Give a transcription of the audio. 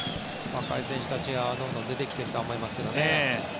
若い選手たちがどんどん出てきているとは思いますけどね。